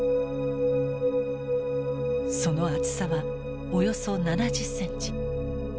その厚さはおよそ７０センチ。